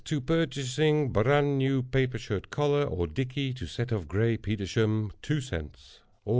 To purchasing bran new paper shirt collar or dickey, to set off gray Petersham 02 Aug.